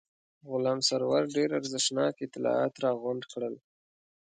غلام سرور ډېر ارزښتناک اطلاعات راغونډ کړل.